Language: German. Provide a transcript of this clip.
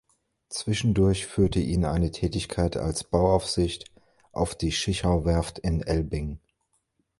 Zwischendurch führte ihn eine Tätigkeit als Bauaufsicht auf die Schichau-Werft in Elbing.